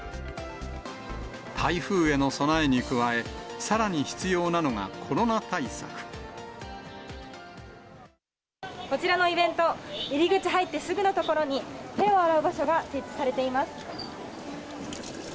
台風への備えに加え、こちらのイベント、入り口入ってすぐの所に、手を洗う場所が設置されています。